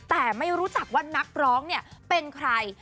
แต่ไม่รู้จักว่านักร้องเนี่ยเป็นใคร